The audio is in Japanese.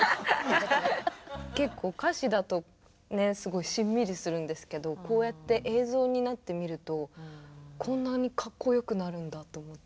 結構歌詞だとねすごいしんみりするんですけどこうやって映像になってみるとこんなにかっこよくなるんだと思って。